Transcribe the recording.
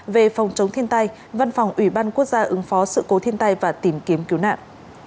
về phòng chống thiên tai văn phòng ủy ban quốc gia ứng phó sự cố thiên tai và tìm kiếm cứu nạn